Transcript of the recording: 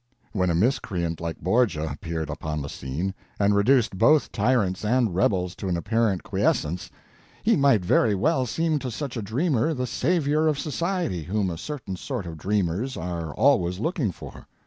When a miscreant like Borgia appeared upon the scene and reduced both tyrants and rebels to an apparent quiescence, he might very well seem to such a dreamer the savior of society whom a certain sort of dreamers are always looking for.